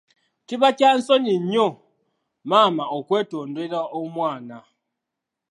Kiba kya nsonyi nnyo maama okwetondera omwana.